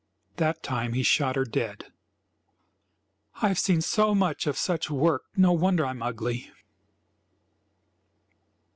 That time he shot her dead. "I've seen so much of such work no wonder I am ugly!"